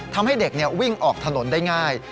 ทำให้เด็กวิ่งออกถนนได้ง่าย